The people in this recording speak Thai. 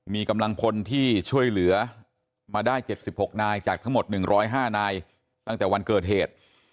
มีกำลังพลที่ช่วยเหลือมาได้๗๖นายจากทั้งหมด๑๐๕นายตั้งแต่วันเกิดเหตุ